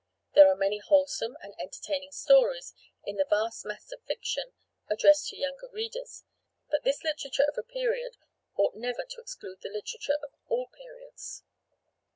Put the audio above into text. There are many wholesome and entertaining stories in the vast mass of fiction addressed to younger readers; but this literature of a period ought never to exclude the literature of all periods.